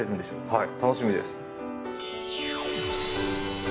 はい。